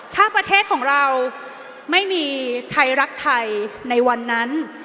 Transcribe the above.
ถ้าประเทศของเราไม่มีไทยรักไทยในวันนั้น